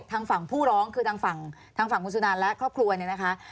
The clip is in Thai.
ทางฝั่งผู้ร้องคือทางฝั่งทางฝั่งคุณสุนันและครอบครัวเนี่ยนะคะ